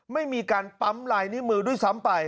ไม่มีการปั๊มลายนิ้วมือด้วยซ้ำไป